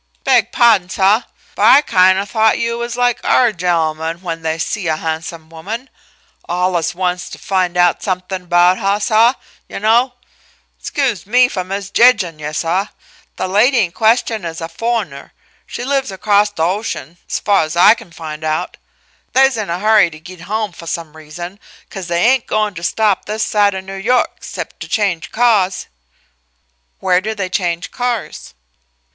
"Beg pahdon, suh; but I kind o' thought you was like orh' gent'men when they see a han'some woman. Allus wants to fin' out somethin' 'bout huh, suh, yuh know. 'Scuse me foh misjedgin' yuh, suh. Th' lady in question is a foh'ner she lives across th' ocean, 's fuh as I can fin' out. They's in a hurry to git home foh some reason, 'cause they ain' goin' to stop this side o' New York, 'cept to change cahs." "Where do they change cars?"